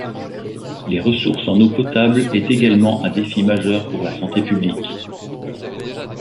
Les ressources en eau potable est également un défi majeur pour la santé publique.